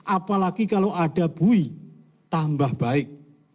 apalagi kalau ada bui tambah baik